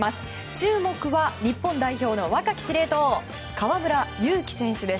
注目は、日本代表の若き司令塔河村勇輝選手です。